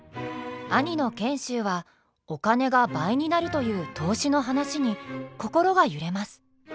兄の賢秀はお金が倍になるという投資の話に心が揺れます。